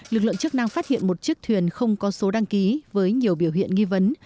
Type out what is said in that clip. lực lượng chức năng phát hiện một chiếc thuyền không có số đăng ký với nhiều biểu hiện nghi vấn